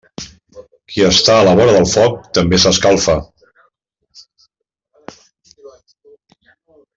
Qui està a la vora del foc també s'escalfa.